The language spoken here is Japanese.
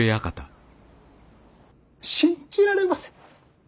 信じられません。